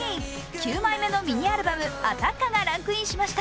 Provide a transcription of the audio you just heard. ９枚目のミニアルバム「Ａｔｔａｃｃａ」がランクインしました。